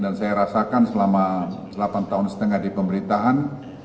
dan saya rasakan selama delapan tahun setengah di pemerintahan